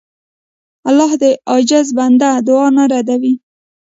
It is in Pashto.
الله د عاجز بنده دعا نه ردوي.